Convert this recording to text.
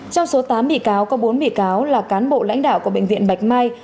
trong số tám bị cáo có bốn bị cáo là cán bộ lãnh đạo của bệnh viện bạch mai